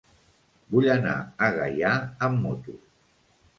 Vull anar a Gaià amb moto.